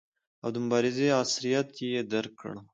او د مبارزې عصریتوب یې درک کړو.